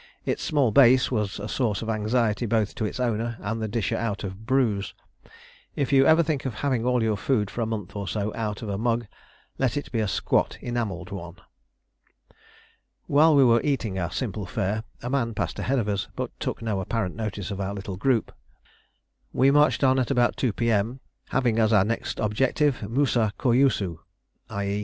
Its small base was a source of anxiety both to its owner and the disher out of brews. If you ever think of having all your food for a month or so out of a mug, let it be a squat enamelled one. While we were eating our simple fare, a man passed ahead of us, but took no apparent notice of our little group. We marched on at about 2 P.M., having as our next objective Mousa Kouyousou, _i.e.